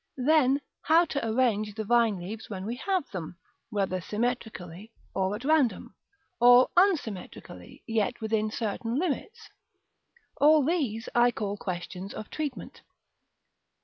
Then, how to arrange the vine leaves when we have them; whether symmetrically, or at random; or unsymmetrically, yet within certain limits? All these I call questions of treatment.